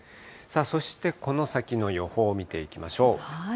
そしてこの先の予報見ていきましょう。